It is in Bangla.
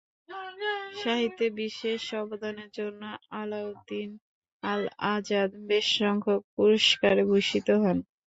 সাহিত্যে বিশেষ অবদানের জন্য আলাউদ্দিন আল আজাদ বেশসংখ্যক পুরস্কারে ভূষিত হন।